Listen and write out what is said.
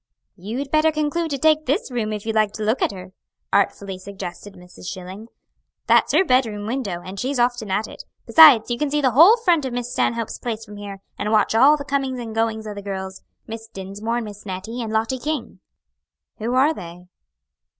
"You'd better conclude to take this room if you like to look at her," artfully suggested Mrs. Schilling. "That's her bedroom window, and she's often at it. Besides, you can see the whole front of Miss Stanhope's place from here, and watch all the comings and goings o' the girls Miss Dinsmore, and Miss Nettie and Lottie King." "Who are they?"